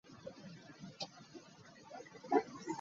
Abaana ba kintu tebagwerawo ddala .